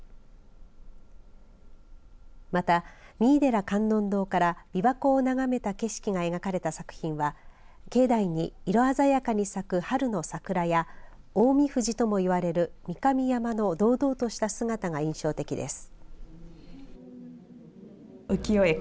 また、三井寺観音堂からびわ湖を眺めた景色が描かれた作品は境内に色鮮やかに咲く春の桜や近江富士ともいわれる三上山の堂々とした姿が印象的です。